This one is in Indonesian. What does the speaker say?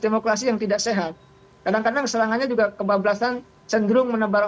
demokrasi yang tidak sehat kadang kadang serangannya juga kebablasan cenderung menebar